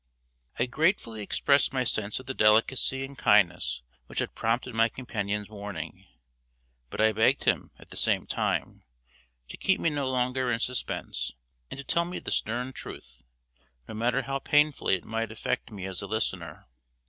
I gratefully expressed my sense of the delicacy and kindness which had prompted my companion's warning, but I begged him, at the same time, to keep me no longer in suspense and to tell me the stern truth, no matter how painfully it might affect me as a listener.